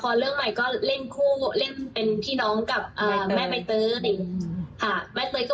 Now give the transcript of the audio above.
ถ้าเกิดใกล้ปิดกล้องละครที่กำลังเล่นเนี่ยค่ะ